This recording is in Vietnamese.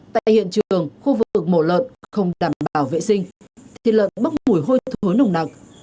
tại hiện trường khu vực mổ lợn không đảm bảo vệ sinh thịt lợn bốc mùi hôi thối nồng nặng